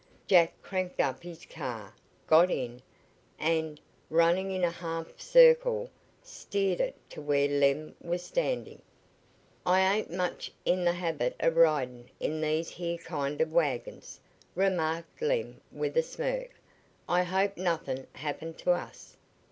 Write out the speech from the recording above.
Jack cranked up his car, got in, and, running in a half circle, steered it to where Lem was standing. "I ain't much in the habit of ridin' in these here kind of wagons," remarked Lem with a smirk. "I hope nothin' happens t' us."